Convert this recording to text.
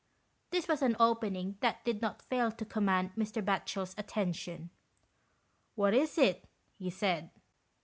This was an opening that did not fail to command Mr. Batchel's attention. "What is it ?" he said.